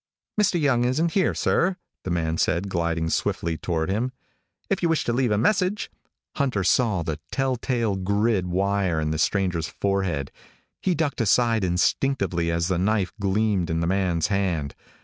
"Mr. Young isn't here, sir." The man said, gliding swiftly toward him. "If you wish to leave a message " Hunter saw the telltale grid wire in the stranger's forehead. He ducked aside instinctively as the knife gleamed in the man's hand.